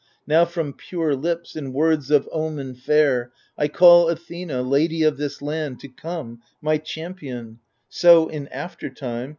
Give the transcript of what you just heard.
Now from pure lips, in words of omen fair, I call Athena, lady of this land. To come, my champion : so, in aftertime.